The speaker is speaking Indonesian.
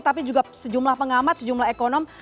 tapi juga sejumlah pengamat sejumlah ekonom